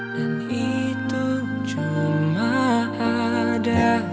dan itu cuma ada di kamu